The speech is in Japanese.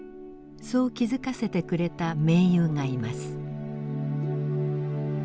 そう気づかせてくれた盟友がいます。